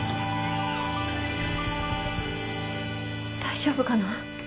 大丈夫かな？